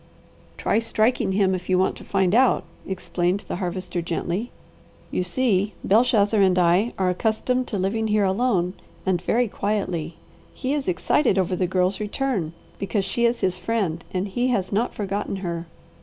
"Try striking him if you want to find out," explained the Harvester gently. "You see, Belshazzar and I are accustomed to living here alone and very quietly. He is excited over the Girl's return, because she is his friend, and he has not forgotten her.